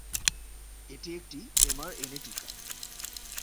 এটি একটি এমআরএনএ টিকা।